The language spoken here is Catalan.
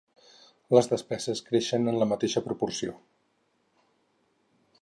Les despeses creixen en la mateixa proporció.